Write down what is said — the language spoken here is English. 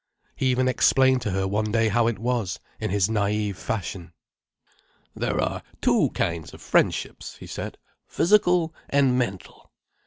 He even explained to her one day how it was, in his naïve fashion. "There are two kinds of friendships," he said, "physical and mental.